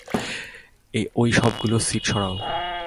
ওই সবগুলো সিট সরাও।